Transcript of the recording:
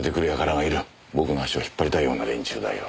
僕の足を引っ張りたいような連中だよ。